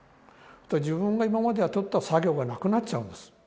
自分が今までやっておった作業がなくなっちゃうんです